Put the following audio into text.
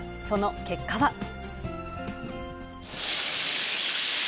その結果は。